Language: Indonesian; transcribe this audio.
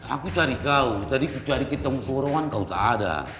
aku cari kau tadi aku cari ke tempat nongkorongan kau tak ada